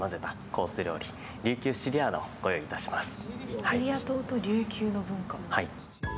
シチリア島と琉球の文化。